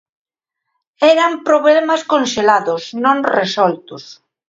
Eran problemas conxelados, non resoltos.